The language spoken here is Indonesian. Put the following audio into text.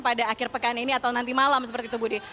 pada akhir pekan ini atau nanti malam seperti itu budi